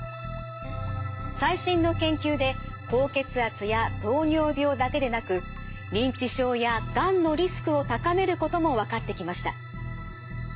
最新の研究で高血圧や糖尿病だけでなく認知症やがんのリスクを高めることも分かってきました。